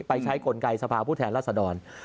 ใช้กลไกสภาพผู้แทนรัศดร